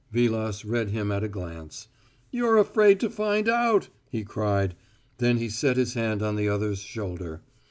Vilas read him at a glance. "You're afraid to find out!" he cried. Then he set his hand on the other's shoulder.